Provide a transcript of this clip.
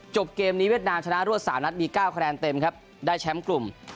เกมนี้เวียดนามชนะรวด๓นัดมี๙คะแนนเต็มครับได้แชมป์กลุ่ม